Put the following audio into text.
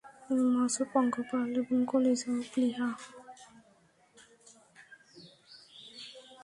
মাছ ও পঙ্গপাল এবং কলিজা ও প্লীহা।